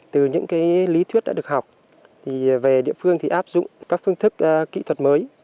từ những lý thuyết đã được học về địa phương thì áp dụng các phương thức kỹ thuật mới